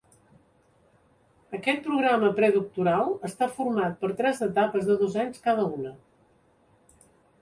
Aquest programa predoctoral està format per tres etapes de dos anys cada una.